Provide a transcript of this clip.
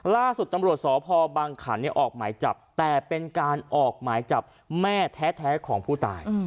ล่าสุดตำรวจสพบังขันออกหมายจับแต่เป็นการออกหมายจับแม่แท้ของผู้ตาย